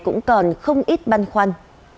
cũng còn không ít băn khoăn